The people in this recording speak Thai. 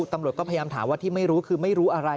ถามว่าที่ไม่รู้คือไม่รู้อะไร